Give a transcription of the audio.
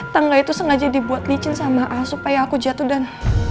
tangga itu sengaja dibuat licin sama a supaya aku jatuh dan